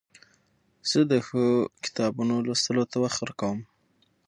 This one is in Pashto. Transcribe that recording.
زه د ښو کتابو لوستلو ته وخت ورکوم.